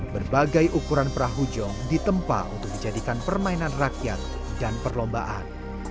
berbagai ukuran perahu jong ditempa untuk dijadikan permainan rakyat dan perlombaan